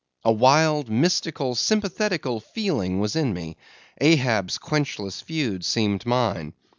A wild, mystical, sympathetical feeling was in me; Ahab's quenchless feud seemed mine.